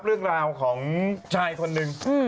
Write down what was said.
เรื่องราวของชายคนหนึ่ง